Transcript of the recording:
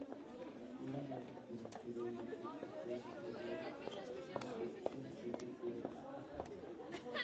Juega de delantero y su club actual es el Real Murcia Club de Fútbol.